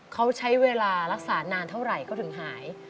เขาใช้เวลารักษานานเท่าไหร่ก็ถึงหาย